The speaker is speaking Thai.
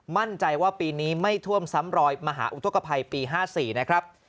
มั่นใจว่าปีนี้ไม่ท่วมซ้ำรอยมหาอุทธกภัยปี๕๔นะครับ